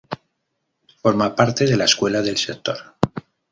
Forma parte de la Escuela del Sector.